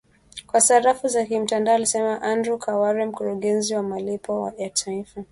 kwa sarafu za kimtandao alisema Andrew Kaware mkurugenzi wa malipo ya taifa